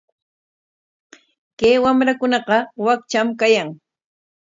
Kay wamrakunaqa wakcham kayan.